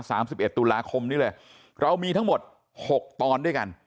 สิบเอ็ดตุลาคมนี้เลยเรามีทั้งหมดหกตอนด้วยกัน